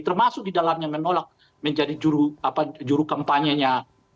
termasuk di dalamnya menolak menjadi juru kampanye nya